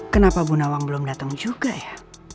kenapa bu nawang belum datang juga ya